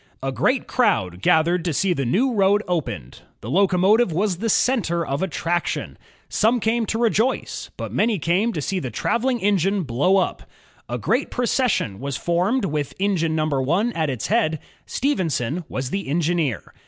A great crowd gathered to see the new road opened. The locomotive was the center of attraction. Some came to rejoice, but many came to see the traveling engine blow up. A great procession was formed with engine number one at its head. Stephenson was the engineer.